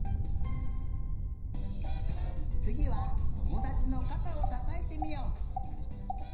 つぎはともだちのかたをたたいてみよう。